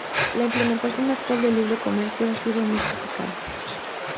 La implementación actual del libre comercio ha sido muy criticada.